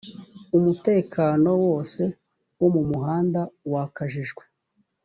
umutekano wose wo mu muhanda wakajijwe